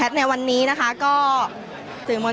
สวัสดีครับทุกคน